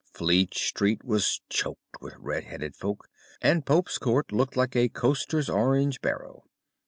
Fleet Street was choked with red headed folk, and Pope's Court looked like a coster's orange barrow.